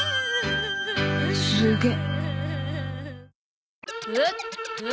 すげえ。